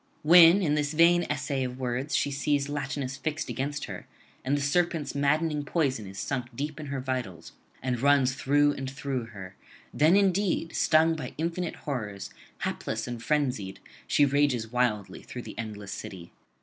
When in this vain essay of words she sees Latinus fixed against her, and the serpent's maddening poison is sunk deep in her vitals and runs through and through her, then indeed, stung by infinite horrors, hapless and frenzied, she rages wildly through the endless city.